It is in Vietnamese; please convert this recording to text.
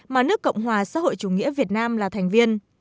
mà nước cộng hòa xã hội chủ nghĩa việt nam là thành viên